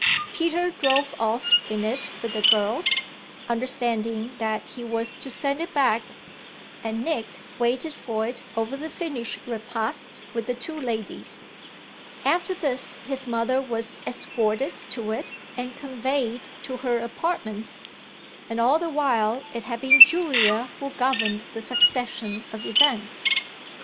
Peter drove off in it with the girls, understanding that he was to send it back, and Nick waited for it over the finished repast with the two ladies. After this his mother was escorted to it and conveyed to her apartments, and all the while it had been Julia who governed the succession of events.